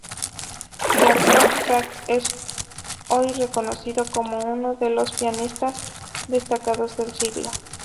Yakov Zak es hoy reconocido como uno de los pianistas destacados del siglo.